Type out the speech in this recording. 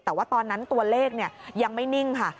แต่ว่าตอนนั้นตัวเลขยังไม่นิ่งค่ะ